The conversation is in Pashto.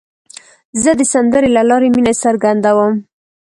زه د سندرې له لارې مینه څرګندوم.